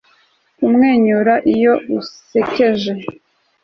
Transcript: Kumwenyura iyo usekeje